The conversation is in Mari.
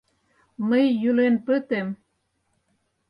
Мый йӱлен пытем.